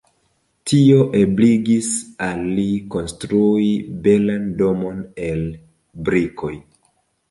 Tio ebligis al li konstrui belan domon el brikoj.